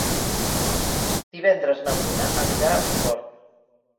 Divendres na Bruna anirà a Sogorb.